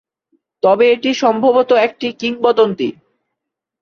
তবে এটি সম্ভবত একটি কিংবদন্তি।